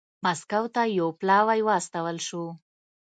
مسکو ته یو پلاوی واستول شو.